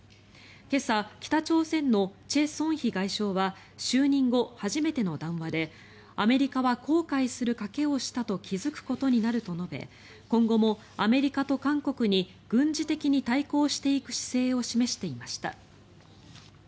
今朝北朝鮮のチェ・ソンヒ外相は就任後初めての談話でアメリカは後悔する賭けをしたと気付くことになると述べ今後もアメリカと韓国に軍事的に対抗していく姿勢を示していました。